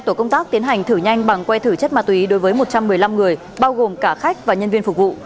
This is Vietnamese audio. tổ công tác tiến hành thử nhanh bằng que thử chất ma túy đối với một trăm một mươi năm người bao gồm cả khách và nhân viên phục vụ